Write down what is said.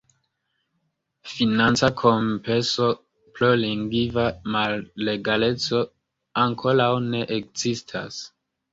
Financa kompenso pro lingva malegaleco ankoraŭ ne ekzistas.